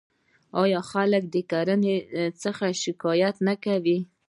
آیا خلک د ګرانۍ څخه شکایت نه کوي؟